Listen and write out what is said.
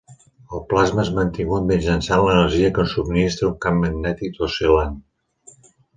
El plasma és mantingut mitjançant l'energia que subministra un camp magnètic oscil·lant.